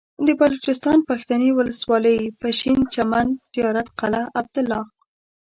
د بلوچستان پښتنې ولسوالۍ پشين چمن زيارت قلعه عبدالله